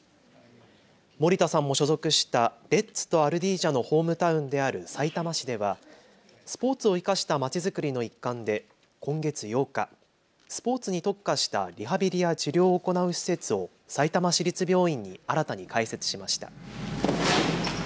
盛田さんも所属したレッズとアルディージャのホームタウンであるさいたま市ではスポーツを生かしたまちづくりの一環で今月８日、スポーツに特化したリハビリや治療を行う施設を、さいたま市立病院に新たに開設しました。